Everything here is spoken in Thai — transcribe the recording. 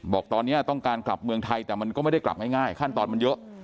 บอกตอนนี้ต้องการกลับเมืองไทยแต่มันก็ไม่ได้กลับง่ายขั้นตอนมันเยอะ